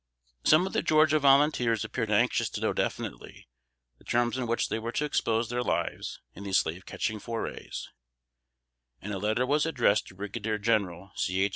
Some of the Georgia volunteers appeared anxious to know definitely the terms on which they were to expose their lives in these slave catching forays; and a letter was addressed to Brigadier General C. H.